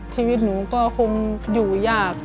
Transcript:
ชีวิตหนูก็คงอยู่ยาก